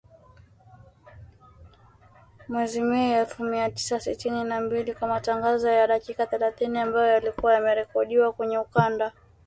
Mwezi Mei elfu mia tisa sitini na mbili kwa matangazo ya dakika thelathini ambayo yalikuwa yamerekodiwa kwenye ukanda.